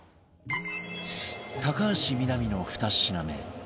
高橋みなみの２品目